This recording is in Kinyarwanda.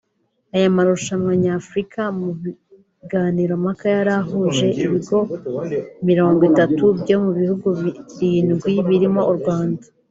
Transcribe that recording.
Aya marushanwa Nyafurika mu biganirompaka yari yahuje ibigo mirongo itatu byo mu bihugu birindwi birimo u Rwanda